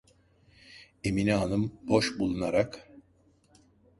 Emine hanım boş bulunarak: